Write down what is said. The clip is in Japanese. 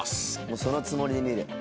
もうそのつもりで見る。